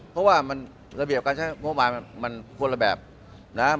เพราะว่ามันระเบียบการใช้โมงมานมันควรละแบบนะฮะ